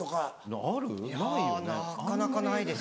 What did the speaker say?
なかなかないです。